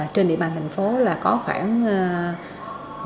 trên địa bàn thành phố có một số người nhiễm hiv